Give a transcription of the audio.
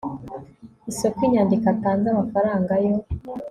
isoko inyandiko atanze amafaranga yo